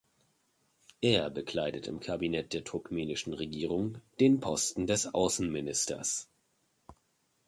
Er bekleidet im Kabinett der turkmenischen Regierung den Posten des Außenministers.